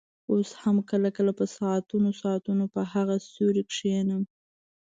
اوس هم کله کله په ساعتونو ساعتونو په هغه سوري کښېنم.